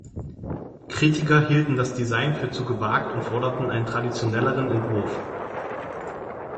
Kritiker hielten das Design für zu gewagt und forderten einen traditionelleren Entwurf.